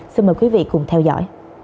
xin mời quý vị cùng theo dõi